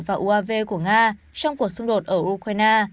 và uav của nga trong cuộc xung đột ở ukraine